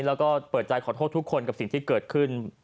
แล้วก็เปิดใจขอโทษทุกคนกับสิ่งที่เกิดขึ้น